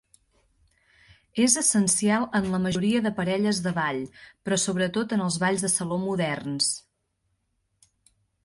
És essencial en la majoria de parelles de ball, però sobretot en els balls de saló moderns.